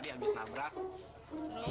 ini apain aja bang